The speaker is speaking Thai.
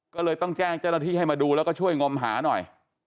ก็เลยต้องแจ้งเจ้าหน้าที่ให้มาดูแล้วก็ช่วยงมหาหน่อย